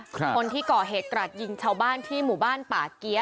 คนที่ก่อเหตุกราดยิงชาวบ้านที่หมู่บ้านป่าเกี้ย